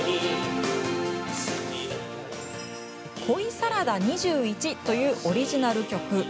「恋サラダ２１」というオリジナル曲。